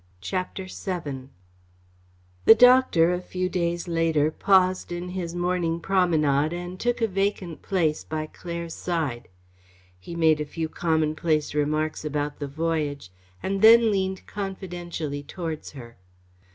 CHAPTER VII The doctor, a few days later, paused in his morning promenade and took a vacant place by Claire's side. He made a few commonplace remarks about the voyage, and then leaned confidentially towards her.